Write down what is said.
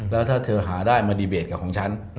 แล้วถ้าเธอหาได้มาดีเบตกับของฉัน